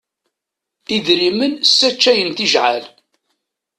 Idrimen sseččayen tijɛal.